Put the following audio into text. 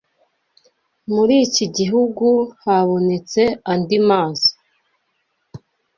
muri iki gihugu habonetse andi mazi